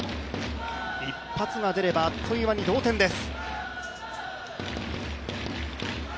一発が出れば、あっという間に同点です。